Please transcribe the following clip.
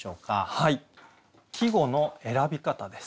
はい「季語の選び方」です。